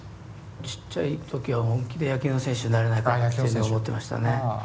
ちっちゃい時は本気で野球の選手になれないかなっていうふうに思ってましたね。